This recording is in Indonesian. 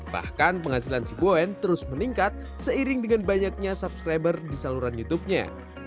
bahkan penghasilan si boen terus meningkat seiring dengan banyaknya subscriber di saluran youtubenya